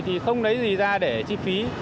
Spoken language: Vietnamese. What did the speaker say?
thì không lấy gì ra để chi phí